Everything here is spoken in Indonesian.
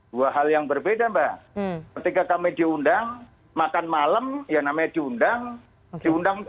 dua hal yang berbeda mbak ketika kami diundang makan malam ya namanya diundang diundang